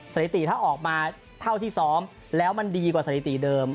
สถิติถ้าออกมาเท่าที่ซ้อมแล้วมันดีกว่าสถิติเดิม